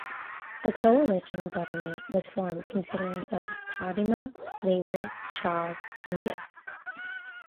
A coalition government was formed consisting of Kadima, Labor, Shas and Gil.